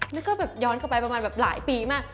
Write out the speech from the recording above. แล้วก็แบบย้อนกลับไปประมาณแบบหลายปีมาก